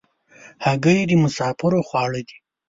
هګۍ د مسافرو خواړه دي.